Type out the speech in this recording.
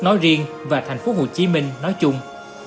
nói riêng và thành phố hồ chí minh nói chung